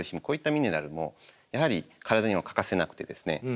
こういったミネラルもやはり体には欠かせなくてですね